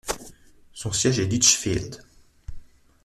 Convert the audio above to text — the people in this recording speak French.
Son siège est Litchfield.